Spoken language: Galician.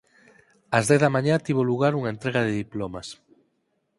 Ás dez da mañá tivo lugar unha entrega de diplomas.